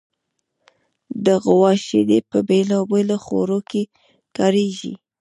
د غوا شیدې په بېلابېلو خوړو کې کارېږي.